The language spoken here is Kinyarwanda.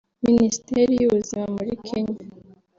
Minisiteri y’Ubuzima muri Kenya